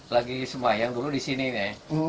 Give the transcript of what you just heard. lagi semayang dulu di sini deh